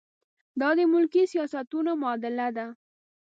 دا د ملکي سیاستونو معادله ده.